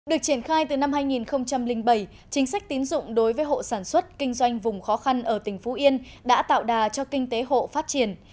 được triển khai từ năm hai nghìn bảy chính sách tín dụng đối với hộ sản xuất kinh doanh vùng khó khăn ở tỉnh phú yên đã tạo đà cho kinh tế hộ phát triển